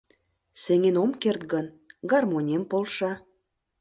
— Сеҥен ом керт гын, гармонем полша.